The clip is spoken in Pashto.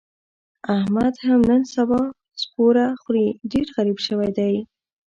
احمد هم نن سبا سپوره خوري، ډېر غریب شوی دی.